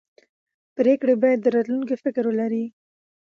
پرېکړې باید د راتلونکي فکر ولري